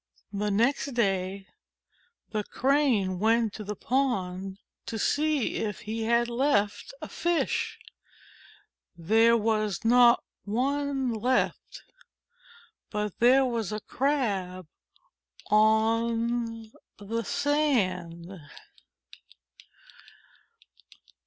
The next day the Crane went to the pond to see if he had left a Fish. There was not one left, but there was a Crab on the sand.